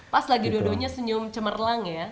pas lagi dua duanya senyum cemerlang ya